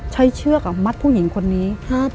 เชือกมัดผู้หญิงคนนี้